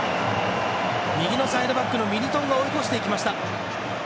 右のサイドバックのミリトンを追い越していきました。